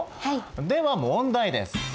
では問題です！